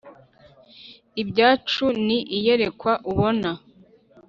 ibyacu ni iyerekwa ubona.